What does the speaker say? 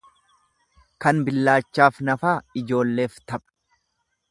Kan billaachaaf nafaa ijoolleef tapha.